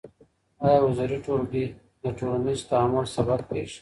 ايا حضوري ټولګي د ټولنيز تعامل سبب کيږي؟